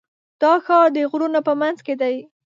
دا ښار د غرونو په منځ کې دی.